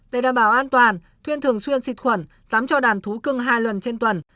để đảm bảo an toàn thuyên thường xuyên xịt khuẩn tám cho đàn thú cưng hai lần trên tuần